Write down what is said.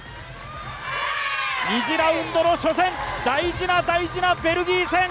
２次ラウンドの初戦、大事な大事なベルギー戦。